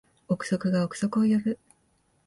憶測が憶測を呼ぶ